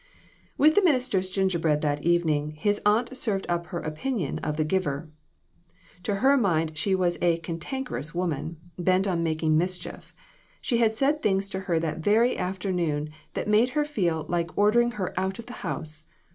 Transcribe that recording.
With the minister's gingerbread that evening, his aunt served up her opinion of the giver. To her mind she was a "cantankerous" woman, bent on making mischief ; she had said things to her that very afternoon that made her feel like order ing her out of the house.